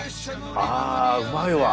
あうまいわ。